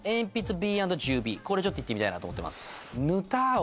これちょっといってみたいなと思ってます